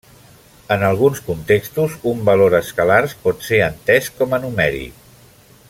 En alguns contextos, un valor escalars pot ser entès com a numèric.